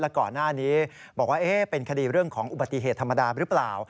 ก่อนหน้านี้บอกว่าเป็นคดีเรื่องของอุบัติเหตุธรรมดาหรือเปล่า